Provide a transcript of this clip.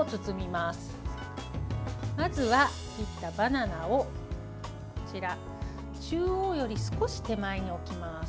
まずは切ったバナナを中央より少し手前に置きます。